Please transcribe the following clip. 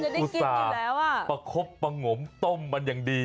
เราอุสาปปะคบปะหงมต้มมันอย่างดี